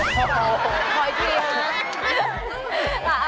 โอ้โหขออีกทีค่ะ